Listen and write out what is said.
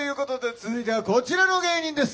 続いてはこちらの芸人です。